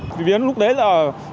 thì đến lúc đấy là